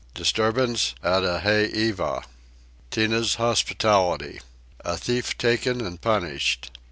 Disturbance at a Heiva. Tinah's Hospitality. A Thief taken and punished.